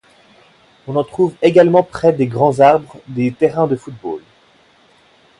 On en trouve également près des grands arbres, des terrains de football...